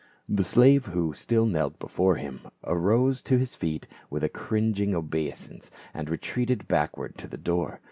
The slave who still knelt before him arose to his feet with a cringing obeisance and retreated backward to the door.